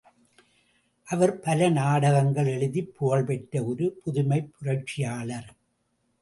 அவர் பல நாடகங்கள் எழுதிப் புகழ்பெற்ற ஒரு புதுமைப் புரட்சியாளர்.